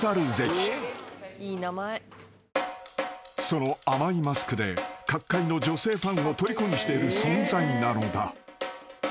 ［その甘いマスクで角界の女性ファンをとりこにしている存在なのだ］